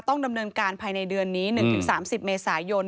ต้องดำเนินการภายในเดือนนี้๑๓๐เมษายน